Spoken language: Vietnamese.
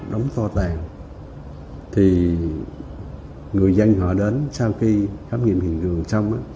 đóng to tàn thì người dân họ đến sau khi khám nghiệm hiện trường xong